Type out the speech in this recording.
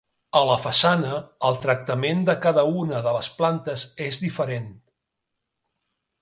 A la façana, el tractament de cada una de les plantes és diferent.